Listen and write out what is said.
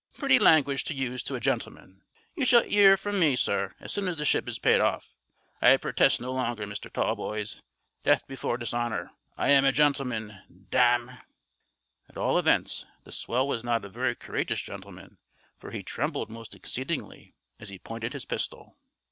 Pretty language to use to a gentleman! You shall 'ear from me, sir, as soon as the ship is paid off. I purtest no longer, Mr. Tallboys. Death before dishonour! I'm a gentleman, damme!" At all events, the swell was not a very courageous gentleman, for he trembled most exceedingly as he pointed his pistol.